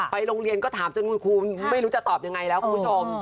โรงเรียนก็ถามจนคุณครูไม่รู้จะตอบยังไงแล้วคุณผู้ชม